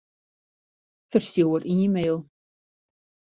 Ferstjoer e-mail.